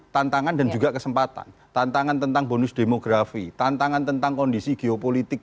tantangan dan juga kesempatan tantangan tentang bonus demografi tantangan tentang kondisi geopolitik